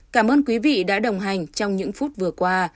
cảm ơn quý vị đã đồng hành trong những phút vừa qua